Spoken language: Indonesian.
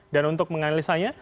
dan untuk menganalisanya